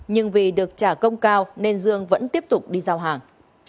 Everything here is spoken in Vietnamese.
nhưng vì được trả công cao nên dương vẫn tiếp tục đi giao hàng